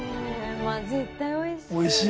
絶対おいしい。